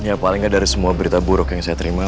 ya paling nggak dari semua berita buruk yang saya terima